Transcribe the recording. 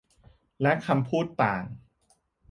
และคำพูดต่าง